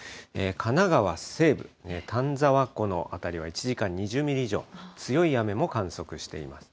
神奈川西部、丹沢湖の辺りは、１時間に２０ミリ以上、強い雨も観測しています。